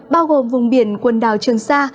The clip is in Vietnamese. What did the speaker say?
bao gồm vùng biển quần đảo trường sa